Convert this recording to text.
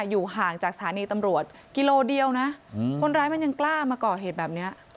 อยู่ห่างจากสถานีตำรวจกิโลเดียวนะคนร้ายมันยังกล้ามาก่อเหตุแบบนี้